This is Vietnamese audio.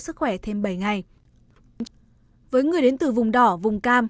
sức khỏe thêm bảy ngày với người đến từ vùng đỏ vùng cam